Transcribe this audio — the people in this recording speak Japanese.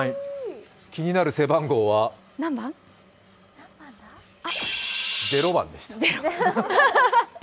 気になる背番号は０番でした。